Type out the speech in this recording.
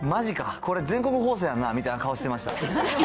これ、全国放送やんなみたいな顔してました。